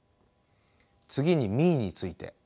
次にミーについて。